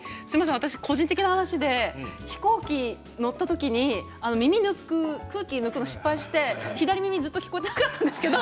個人的な話で飛行機乗った時に耳抜く、空気抜くのを失敗して左耳にずっと聞こえていなかったんですけど